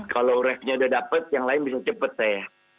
kalau refnya udah dapet yang lain bisa cepet saya